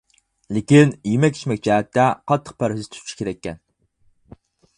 لېكىن يېمەك-ئىچمەك جەھەتتە قاتتىق پەرھىز تۇتۇشى كېرەككەن.